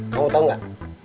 kamu tahu nggak